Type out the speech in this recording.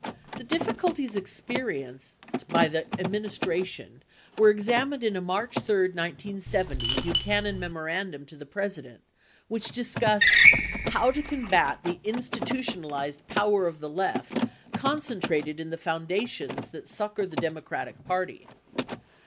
The difficulties experienced by the administration were examined in a March 3, 1970, Buchanan memorandum to the President which dis cussed "how to combat the institutionalized power of the left con centrated in the foundations that succor the Democratic party."